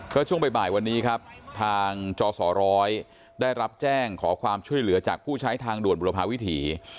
ก็ช่วงบ่ายวันนี้ครับทางจศร้อยได้รับแจ้งขอความช่วยเหลือจากผู้ใช้ทางด่วนบุรพาวิถี